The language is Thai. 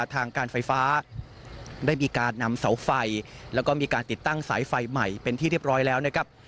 ทางการไฟฟ้าได้มีการนำเสาไฟแล้วก็มีการติดตั้งสายไฟใหม่เป็นที่เรียบร้อยแล้วนะครับ